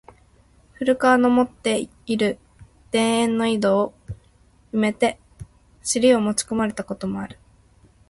古川の持つて居る田圃の井戸を埋めて尻を持ち込まれた事もある。